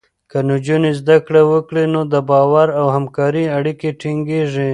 که نجونې زده کړه وکړي، نو د باور او همکارۍ اړیکې ټینګېږي.